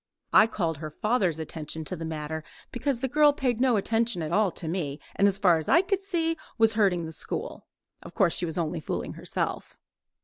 I called her father's attention to the matter, because the girl paid no attention at all to me, and as far as I could see was hurting the school. Of course she was only fooling herself.